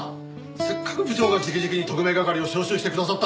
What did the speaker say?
せっかく部長が直々に特命係を招集してくださったのに！